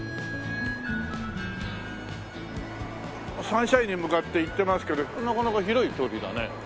サンシャインに向かって行ってますけどここなかなか広い通りだね。